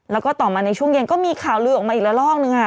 แล้วก็ต่อมาในช่วงเย็นก็มีข่าวลือออกมาอีกละลอกนึง